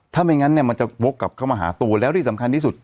ถ้าไม่งั้นเนี่ยมันจะวกกลับเข้ามาหาตัวแล้วที่สำคัญที่สุด